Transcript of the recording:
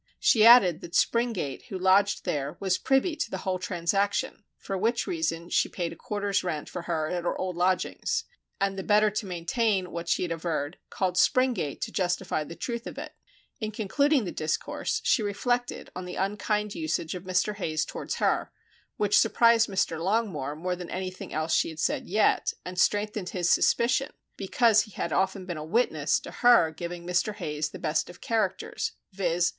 She added that Springate, who lodged there, was privy to the whole transaction, for which reason she paid a quarter's rent for her at her old lodgings, and the better to maintain what she had averred, called Springate to justify the truth of it. In concluding the discourse, she reflected on the unkind usage of Mr. Hayes towards her, which surprised Mr. Longmore more than anything else she had said yet, and strengthened his suspicion, because he had often been a witness to her giving Mr. Hayes the best of characters, viz.